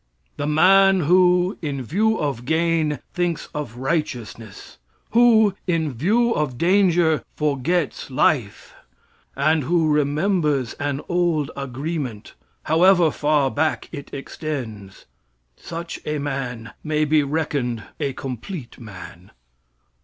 "The man who, in view of gain, thinks of righteousness; who, in view of danger, forgets life, and who remembers an old agreement, however far back it extends, such a man may be reckoned a complete man.